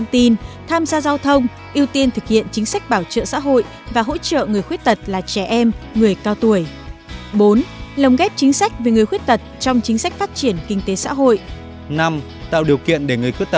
điều chín tổ chức của người khuyết tật tổ chức vì người khuyết tật